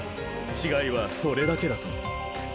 ［違いはそれだけだと］